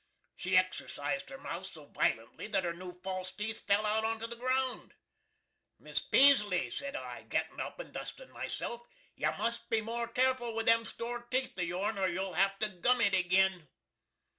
She exercised her mouth so vilently that her new false teeth fell out onto the ground. "Miss Peaseley," sed I, gittin up and dustin myself, "you must be more careful with them store teeth of your'n or you'll have to gum it agin!"